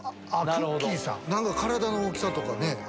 体の大きさとかね。